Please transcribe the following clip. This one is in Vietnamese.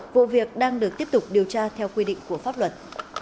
vụ việc đang được tiếp tục điều tra theo quy định của pháp luật